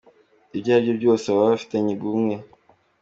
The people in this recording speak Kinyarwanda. Ibyo aribyo byose baba bafitanye ubumwe.